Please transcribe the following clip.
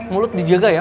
mulut dijaga ya